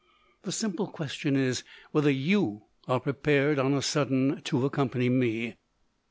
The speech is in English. The simple ques tion is, whether you are prepared on a sudden to accompany me